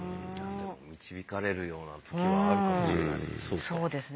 導かれるような時はあるかもしれないです。